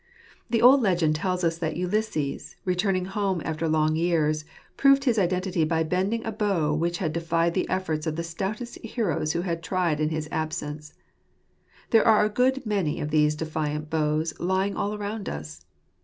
The old legend tells us that Ulysses, returning home after long years, proved his identity by bending a bow which had defied the efforts of the stoutest heroes who had tried it in his absence. There are a good many of these defiant bows lying all around us.